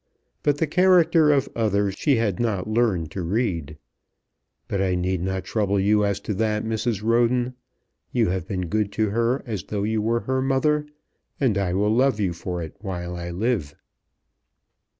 But the character of others she had not learned to read. But I need not trouble you as to that, Mrs. Roden. You have been good to her as though you were her mother, and I will love you for it while I live."